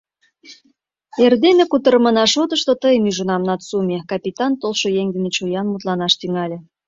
— Эрдене кутырымына шотышто тыйым ӱжынам, Нацуме, — капитан толшо еҥ дене чоян мутланаш тӱҥале.